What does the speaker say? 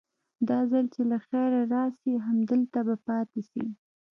دا ځل چې له خيره راسي همدلته به پاته سي.